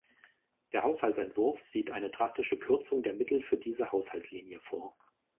Der Haushaltsentwurf sieht eine drastische Kürzung der Mittel für diese Haushaltslinie vor.